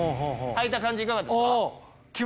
履いた感じいかがですか？